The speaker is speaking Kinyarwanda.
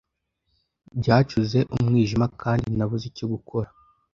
Byacuze umwijima kandi nabuze icyo gukora.